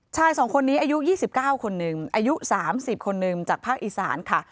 ใช่สองคนนี้อายุยี่สิบเก้าคนนึงอายุสามสิบคนหนึ่งจากภาคอิษฐานค่ะ